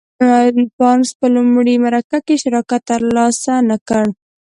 بارنس په لومړۍ مرکه کې شراکت تر لاسه نه کړ.